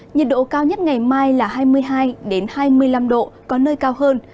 nhiệt độ cao nhất ngày mai là hai mươi hai hai mươi năm độ có nơi cao hơn